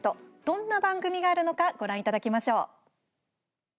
どんな番組があるのかご覧いただきましょう。